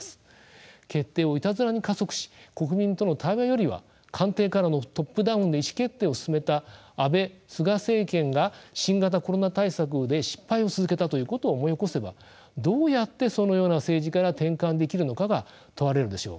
決定をいたずらに加速し国民との対話よりは官邸からのトップダウンで意思決定を進めた安倍・菅政権が新型コロナ対策で失敗を続けたということを思い起こせばどうやってそのような政治から転換できるのかが問われるでしょう。